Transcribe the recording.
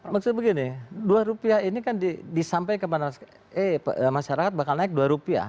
maksudnya begini dua rupiah ini kan disampaikan masyarakat bakal naik dua rupiah